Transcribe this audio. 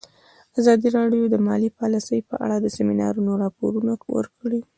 ازادي راډیو د مالي پالیسي په اړه د سیمینارونو راپورونه ورکړي.